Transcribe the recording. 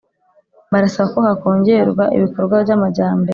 Barasaba ko hongerwa ibikorwa by’ amajyambere